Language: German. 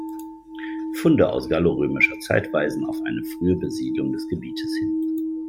Funde aus gallorömischer Zeit weisen auf eine frühe Besiedlung des Gebietes hin.